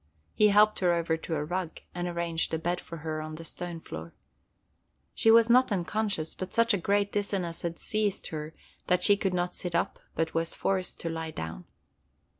He helped her over to a rug, and arranged a bed for her on the stone floor. She was not unconscious, but such a great dizziness had seized her that she could not sit up, but was forced to lie down.